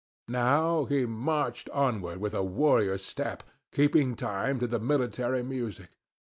Now he marched onward with a warrior's step, keeping time to the military music.